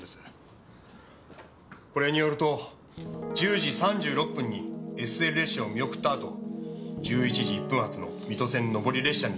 これによると１０時３６分にＳＬ列車を見送ったあと１１時１分発の水戸線上り列車に乗車。